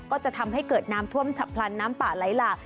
ก็จะทำให้เกิดน้ำท่วมฉับพลันน้ำป่าไหลหลาก